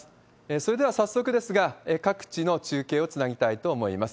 それでは、早速ですが、各地の中継をつなぎたいと思います。